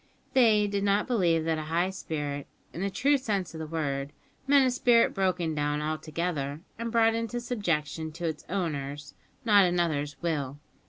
They did not believe that a high spirit, in the true sense of the word, meant a spirit broken down altogether and brought into subjection to its owner's, not another's, will.